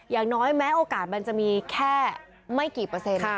อย่างน้อยแม้โอกาสมันจะมีแค่ไม่กี่เปอร์เซ็นต์